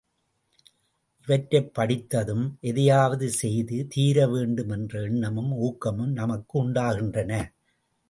இவற்றைப் படித்ததும், எதையாவது செய்து தீர வேண்டும் என்ற எண்ணமும் ஊக்கமும் நமக்கும் உண்டாகின்றன.